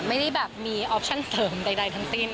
ไม่ได้แบบมีออปชั่นเสริมใดทั้งสิ้น